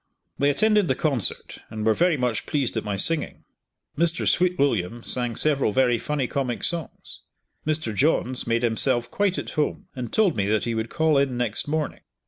They attended the concert and were very much pleased at my singing. Mr. Sweetwilliam sang several very funny comic songs. Mr. Johns made himself quite at home, and told me that he would call in next morning.